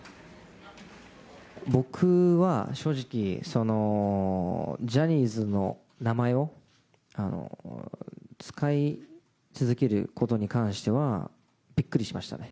僕は、正直、ジャニーズの名前を使い続けることに関しては、びっくりしましたね。